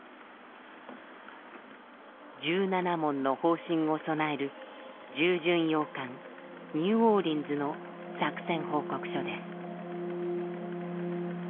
１７門の砲身を備える重巡洋艦ニューオーリンズの作戦報告書です。